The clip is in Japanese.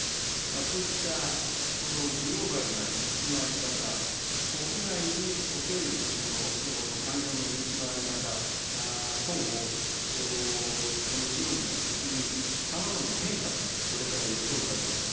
こうしたグローバルな立地の在り方、国内におけるこの産業の立地の在り方等もその議論が進み、さまざまな変化がこれから予想されます。